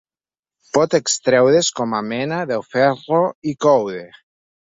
Pot extreure's com a mena del ferro i coure.